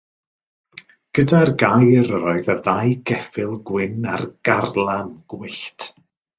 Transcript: Gyda'r gair yr oedd y ddau geffyl gwyn ar garlam gwyllt.